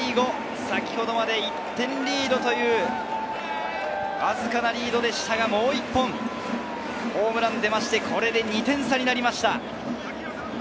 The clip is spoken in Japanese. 先ほどまで１点リードという、わずかなリードでしたが、もう１本ホームランが出て、これで２点差になりました。